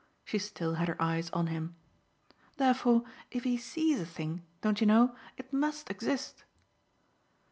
She still had her eyes on him. "Therefore if he SEES a thing, don't you know? it must exist."